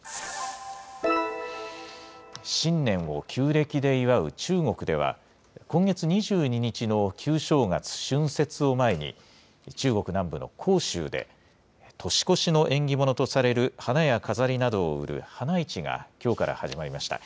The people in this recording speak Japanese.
新年を旧暦で祝う中国では、今月２２日の旧正月、春節を前に、中国南部の広州で、年越しの縁起物とされる花や飾りなどを売る花市がきょうから始まりました。